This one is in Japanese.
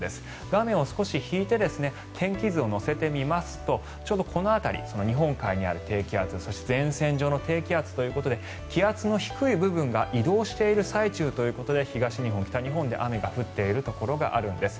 画面を少し引いて天気図を乗せて見ますとちょうどこの辺り日本海にある低気圧そして前線上の低気圧ということで気圧の低い部分が移動している最中ということで東日本、北日本で雨が降っているところがあるんです。